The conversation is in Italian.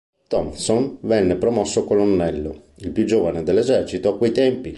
Thompson venne promosso colonnello, il più giovane dell'esercito a quei tempi.